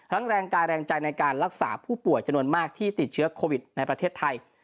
แรงกายแรงใจในการรักษาผู้ป่วยจำนวนมากที่ติดเชื้อโควิดในประเทศไทย